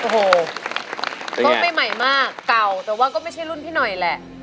โอ้โหก็ไม่ใหม่มากเก่าแต่ว่าก็ไม่ใช่รุ่นพี่หน่อยแหละ